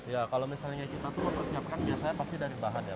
ya kalau misalnya kita tuh mempersiapkan biasanya pasti dari bahan ya